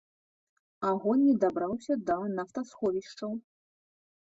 Агонь не дабраўся да нафтасховішчаў.